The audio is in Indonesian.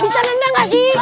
bisa nendang gak sih